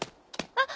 あっ！